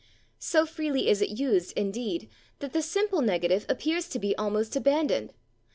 So freely is it used, indeed, that the simple negative appears to be almost abandoned.